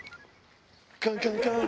カンカンカン！